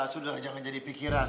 sudah jangan jadi pikiran